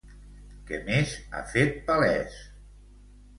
Què més ha fet palès?